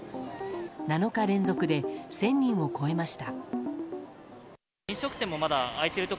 ７日連続で１０００人を超えました。